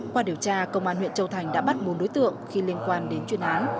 qua điều tra công an huyện châu thành đã bắt bốn đối tượng khi liên quan đến chuyên án